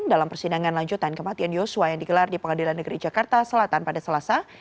dalam persidangan lanjutan kematian yosua yang digelar di pengadilan negeri jakarta selatan pada selasa